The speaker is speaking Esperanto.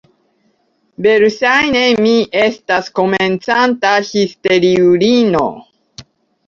Verŝajne, mi estas komencanta histeriulino.